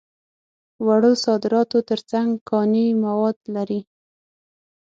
وړو صادراتو تر څنګ کاني مواد لري.